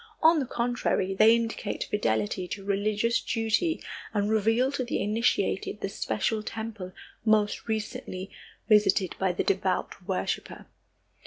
On the contrary, they indicate fidelity to religious duty and reveal to the initiated the special temple most recently visited by the devout worshiper.